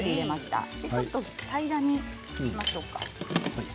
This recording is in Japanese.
ちょっと平らにしましょうか。